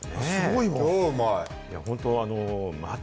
超うまい。